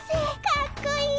かっこいい！